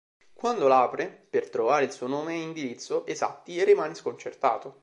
Quando l'apre per trovare il suo nome e indirizzo esatti rimane sconcertato.